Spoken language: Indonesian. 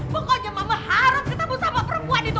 pokoknya mama harus ketemu sama perempuan itu